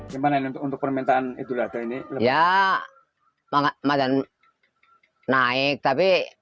gimana untuk permintaan itu data ini ya untuk pembeli arang kayu bisa mencapai delapan juta rupiah